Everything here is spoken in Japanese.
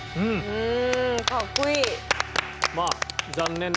うん。